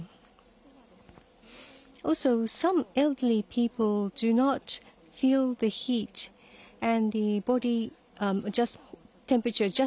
そうですね。